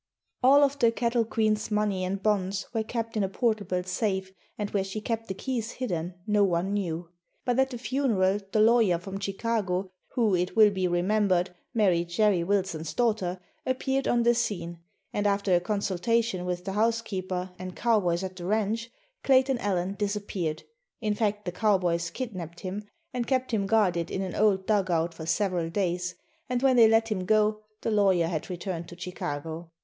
All of the Cattle Queen's money and bonds were kept in a portable safe and where she kept the keys hidden no one knew. But at the funeral the lawyer from Chicago, who, it will be remembered, married Jerry Wilson's daughter, appeared on the scene, and after a consultation with the housekeeper and cowboys at the ranch, Clayton Allen disappeared, in fact the cowboys kidnapped him and kept him guarded in an old dugout for several days, and when they let him go the lawyer had returned to Chicago.